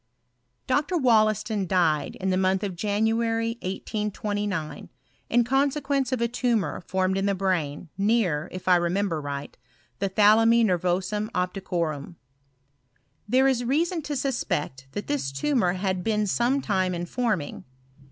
Dr. Wollaston died in the month of January, 1829, in consequence of a tumour formed in the brain, near, if I remember right, the thalami nervorum op ticorum. There is reason to suspect that this tu mour had been some time in forming.